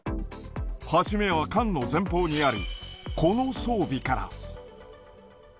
はじめは艦の前方にあるこの装備から。